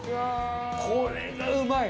これがうまい。